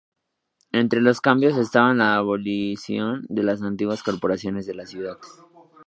Entre los cambios estaban la abolición de las antiguas corporaciones de la ciudad.